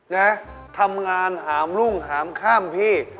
นะทำงานหามรุ่งหามข้ามพี่